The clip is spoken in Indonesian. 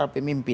orang kalau mati